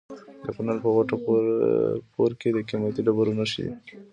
د کونړ په وټه پور کې د قیمتي ډبرو نښې دي.